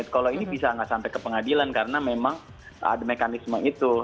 kalau ini bisa nggak sampai ke pengadilan karena memang ada mekanisme itu